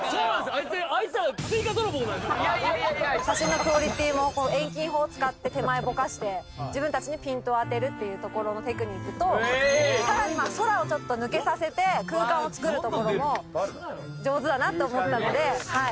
あいつらいやいや写真のクオリティーも遠近法使って手前ボカして自分達にピントを当てるっていうところのテクニックとさらに空をちょっと抜けさせて空間を作るところも上手だなと思ったのではい